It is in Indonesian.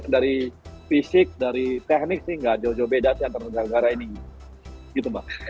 dari fisik dari teknik sih nggak jauh jauh beda sih antara negara negara ini gitu mbak